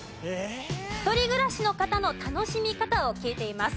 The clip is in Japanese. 一人暮らしの方の楽しみ方を聞いています。